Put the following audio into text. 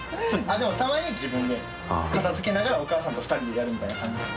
でもたまに自分で片付けながらお母さんと２人でやるみたいな感じです。